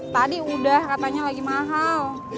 tadi udah katanya lagi mahal